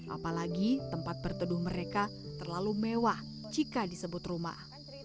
apalagi tempat berteduh mereka terlalu mewah jika disebut rumah